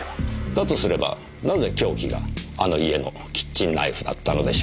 だとすればなぜ凶器があの家のキッチンナイフだったのでしょう。